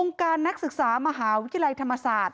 การนักศึกษามหาวิทยาลัยธรรมศาสตร์